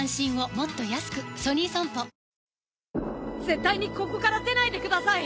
絶対にここから出ないでください！